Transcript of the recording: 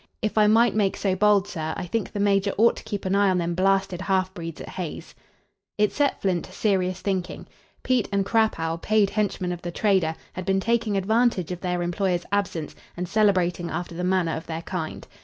If I might make so bold, sir, I think the major ought to keep an eye on them blasted halfbreeds at Hay's." It set Flint to serious thinking. Pete and Crapaud, paid henchmen of the trader, had been taking advantage of their employer's absence and celebrating after the manner of their kind.